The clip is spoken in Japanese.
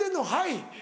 「はい」。